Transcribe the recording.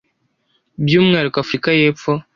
by’umwihariko Afurika y’epfo,